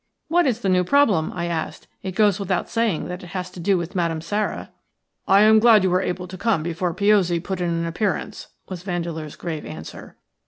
"What is the new problem?" I asked. "It goes without saying that it has to do with Madame Sara." "I am glad you were able to come before Piozzi put in an appearance," was Vandeleur's grave answer.